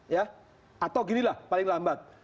ya atau ginilah paling lambat